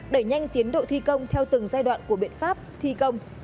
đẩy nhanh tiến độ thi công theo từng giai đoạn của biện pháp thi công